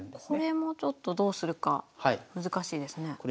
これもちょっとどうするか難しいですね。